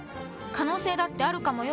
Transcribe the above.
可能性だってあるかもよ？